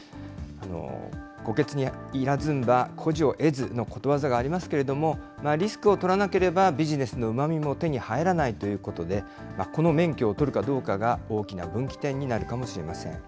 虎穴に入らずんば虎子を得ずのことわざがありますけれども、リスクを取らなければビジネスのうまみも手に入らないということで、この免許を取るかどうかが大きな分岐点になるかもしれません。